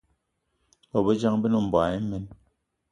Bobejang, be ne mboigi imen.